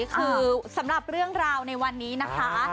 คือสำหรับเรื่องราวในวันนี้นะคะ